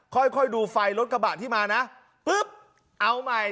ค่อยค่อยดูไฟรถกระบะที่มานะปุ๊บเอาใหม่